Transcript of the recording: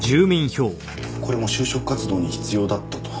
これも就職活動に必要だったと。